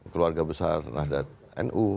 keluarga besar nahdlatul ulama